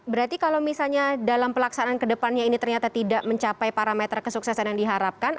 berarti kalau misalnya dalam pelaksanaan kedepannya ini ternyata tidak mencapai parameter kesuksesan yang diharapkan